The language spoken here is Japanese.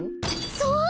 そう！